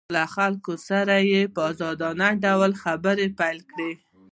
له خلکو سره یې په ازادانه ډول خبرې پیل کړې